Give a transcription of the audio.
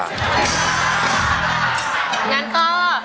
อย่างนั้นก็